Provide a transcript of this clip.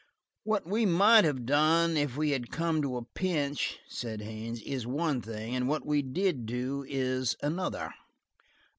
"What we might have done if we had come to a pinch," said Haines, "is one thing, and what we did do is another.